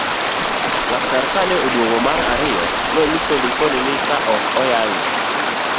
laktar kane oduogo mar ariyo nonyiso Likono ni ka ok oyang'e